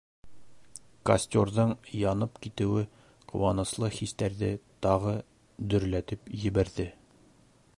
Костерҙың янып китеүе ҡыуаныслы хистәрҙе тағы дөрләтеп ебәрҙе.